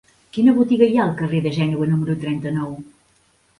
Quina botiga hi ha al carrer de Gènova número trenta-nou?